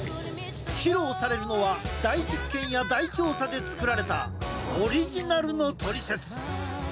披露されるのは大実験や大調査で作られたオリジナルのトリセツ。